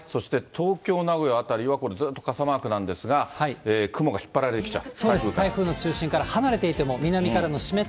東京、名古屋辺りは、これずっと傘マークなんですが、雲が引っ張られてきちゃう。